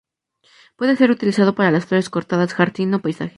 Puede ser utilizado para las flores cortadas, jardín o paisaje.